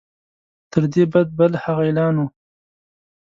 تر دې بد بل هغه اعلان وو.